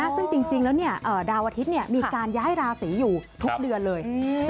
ซึ่งจริงแล้วดาวอาทิตย์มีการย้ายราศีอยู่ทุกเดือนเลย